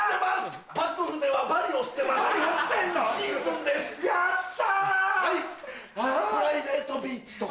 プライベートビーチとか。